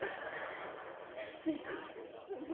吸い込まれそうな瞳。